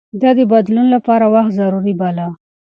ده د بدلون لپاره وخت ضروري باله.